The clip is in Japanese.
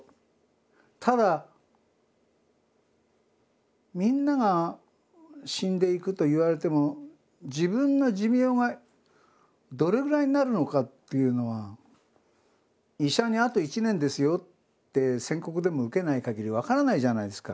ただみんなが死んでいくといわれても自分の寿命がどれぐらいになるのかっていうのは医者に「あと１年ですよ」って宣告でも受けないかぎり分からないじゃないですか。